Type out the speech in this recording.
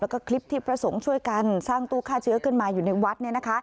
แล้วก็คลิปที่พระสงฆ์ช่วยกันสร้างตู้ฆ่าเชื้อขึ้นมาอยู่ในวัดเนี่ยนะคะ